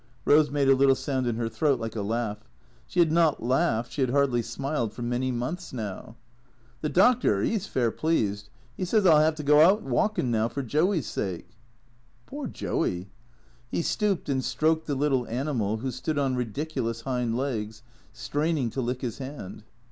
Eose made a little sound in her throat like a laugh. She had not laughed, she had hardly smiled, for many months now. " The doctor — 'e 's fair pleased. 'E says I '11 ''ave to go out walkin' now, for Joey's sake." " Poor Joey." He stooped and stroked the little animal, who stood on ridic ulous hind legs, straining to lick his hand.